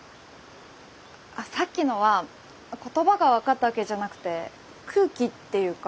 あさっきのは言葉が分かったわけじゃなくて空気っていうか。